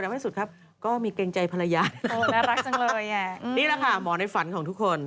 นี่แหละค่ะหมอนในฝันของทุกคน